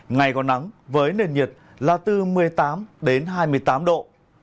ngày còn nắng với nền nhiệt là từ một mươi tám đến hai mươi tám độ